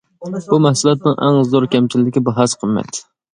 بۇ مەھسۇلاتنىڭ ئەڭ زور كەمچىلىكى باھاسى قىممەت.